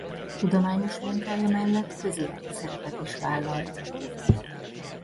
Tudományos munkája mellett közéleti szerepet is vállalt.